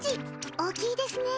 大きいですねえ。